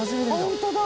本当だ！